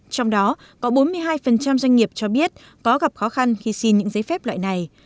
trong đó có bốn mươi hai doanh nghiệp cho biết có gặp khó khăn khi xin những giấy phép loại này